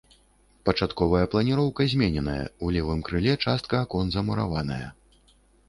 Пачатковая планіроўка змененая, у левым крыле частка акон замураваная.